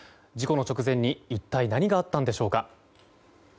事故の直前に一体何があったのでしょうか。